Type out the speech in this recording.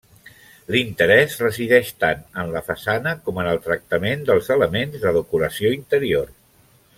L'interès resideix tant en la façana com en el tractament dels elements de decoració interior.